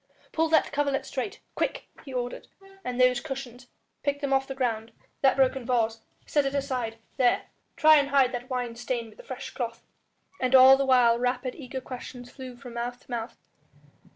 "Pull that coverlet straight, quick!" he ordered, "and those cushions, pick them off the ground ... that broken vase, set it aside.... There! try and hide that wine stain with a fresh cloth." And all the while rapid, eager questions flew from mouth to mouth.